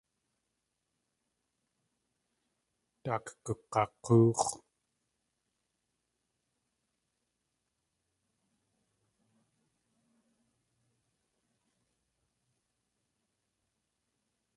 Daak gug̲ak̲óox̲.